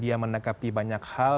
dia menegapi banyak hal